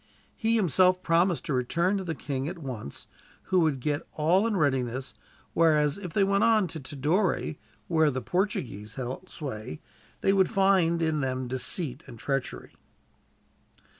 He himself promised to return to the king at once, who would get all in readiness; whereas, if they went on to Tidore, where the Portuguese held sway, they would find in them deceit and treachery.